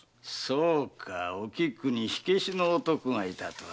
そうかおきくに火消しの男がいたとはな。